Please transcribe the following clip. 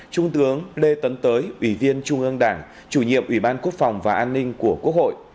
trung tướng lê tấn tới ủy viên trung ương đảng chủ nhiệm ủy ban quốc phòng và an ninh của quốc hội